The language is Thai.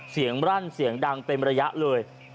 เสียงมรั่นเสียงดังเต็มระยะเลย